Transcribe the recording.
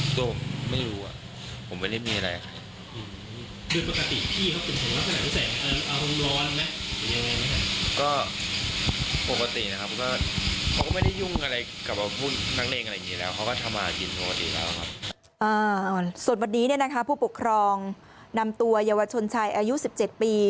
ส่วนวันนี้เนี่ยนะคะผู้ปกครองนำตัวเยาวชนชายอายุ๑๗ปี